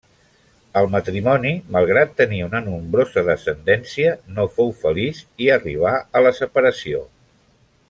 El matrimoni, malgrat tenir una nombrosa descendència, no fou feliç i arribà a la separació.